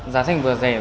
giá thành vừa rẻ